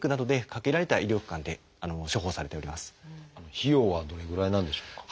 費用はどれぐらいなんでしょうか？